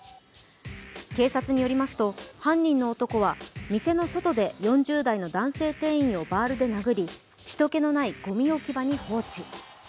警察によりますと、犯人の男は店の外で４０代の男性店員をバールで殴り人けのないごみ置き場に放置。